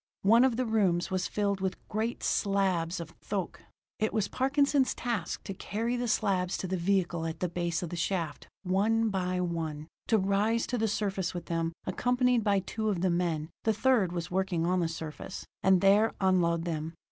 One of the rooms was filled with great slabs of thoque; it was Parkinson's task to carry the slabs to the vehicle at the base of the shaft, one by one; to rise to the surface with them, accompanied by two of the men the third was working on the surface and there unload them.